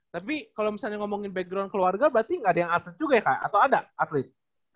tapi kalau misalnya ngomongin background keluarga berarti nggak ada yang atlet juga ya kak atau ada atlet